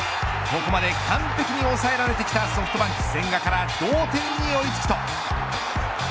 ここまで完璧に抑えられてきたソフトバンク千賀から同点に追い付くと。